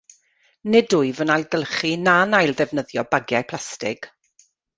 Nid wyf yn ailgylchu na'n ailddefnyddio bagiau plastig